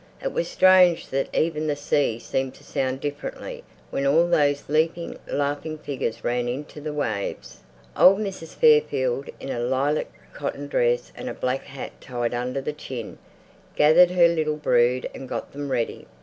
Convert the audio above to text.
It was strange that even the sea seemed to sound differently when all those leaping, laughing figures ran into the waves. Old Mrs. Fairfield, in a lilac cotton dress and a black hat tied under the chin, gathered her little brood and got them ready.